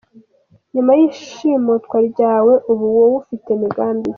Nyuma y’ishimutwa ryawe ubu wowe ufite migambi ki?